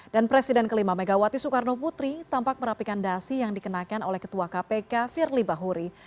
dan presiden kelima megawati soekarno putri tampak merapikan dasi yang dikenakan oleh ketua kpk firly bahuri